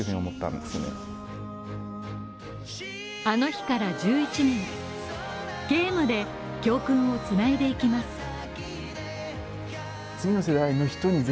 あの日から１１年、ゲームで教訓をつないでいきます。